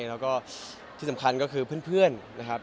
แล้วก็ที่สำคัญก็คือเพื่อนนะครับ